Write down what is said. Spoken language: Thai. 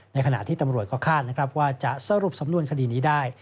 ขณะที่ตำรวจก็คาดนะครับว่าจะสรุปสำนวนคดีนี้ได้